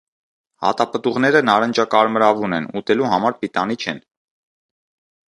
Հատապտուղները նարնջակարմրավուն են, ուտելու համար պիտանի չեն։